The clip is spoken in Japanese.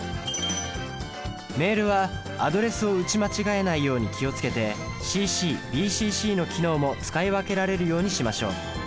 メールはアドレスを打ち間違えないように気を付けてＣＣＢＣＣの機能も使い分けられるようにしましょう。